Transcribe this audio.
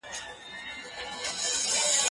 زه بايد سينه سپين وکړم،